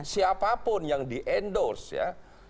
siapapun yang di endorse ya